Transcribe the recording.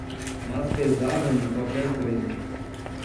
Mas pesava-me qualquer coisa